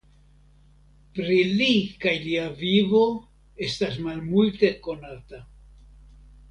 Pri li kaj lia vivo estas malmulte konata.